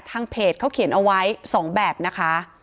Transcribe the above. ทางเพจเขาเขียนเอาไว้๒แบบนะคะ